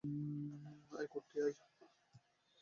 আয়, কুট্টি, আয়!